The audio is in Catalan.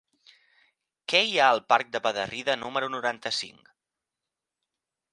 Què hi ha al parc de Bederrida número noranta-cinc?